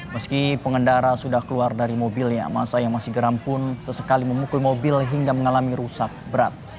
meski pengendara sudah keluar dari mobilnya masa yang masih geram pun sesekali memukul mobil hingga mengalami rusak berat